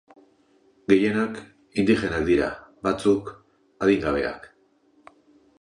Gehienak indigenak dira, batzuk adingabeak.